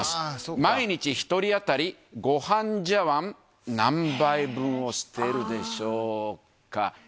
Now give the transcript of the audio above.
毎日１人当たりごはん茶わん何杯分を捨てるでしょうか。